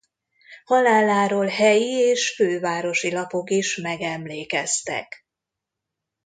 Haláláról helyi és fővárosi lapok is megemlékeztek.